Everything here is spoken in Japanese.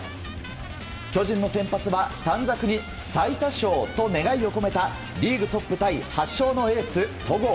巨人の先発は短冊に最多勝と願いを込めた、リーグトップタイ８勝のエース、戸郷。